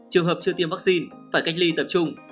trường hợp chưa tiêm vaccine phải cách ly tập trung